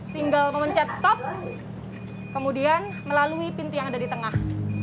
tinggal memencet stop kemudian melalui pintu yang ada di tengah